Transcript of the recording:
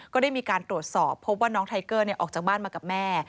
ก็ได้มีการตรวจสอบพบว่าน้องไทเกอร์ออกจากบ้านมากับแม่